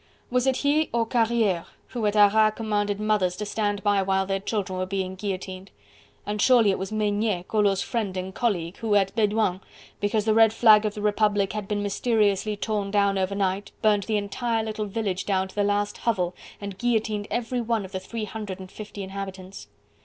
Was it he, or Carriere who at Arras commanded mothers to stand by while their children were being guillotined? And surely it was Maignet, Collot's friend and colleague, who at Bedouin, because the Red Flag of the Republic had been mysteriously torn down over night, burnt the entire little village down to the last hovel and guillotined every one of the three hundred and fifty inhabitants.